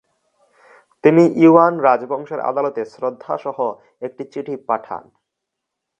তিনি ইউয়ান রাজবংশের আদালতে শ্রদ্ধা সহ একটি চিঠি পাঠান।